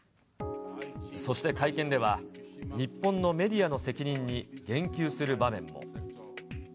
そして会見では、日本のメディアの責任に言及する場面も。